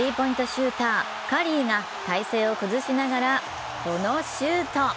シューター、カリーが体勢を崩しながらこのシュート。